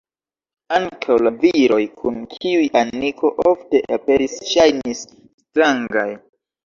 Ankaŭ la viroj kun kiuj Aniko ofte aperis ŝajnis strangaj.